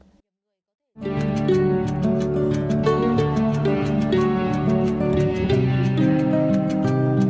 hãy đăng ký kênh để ủng hộ kênh của mình nhé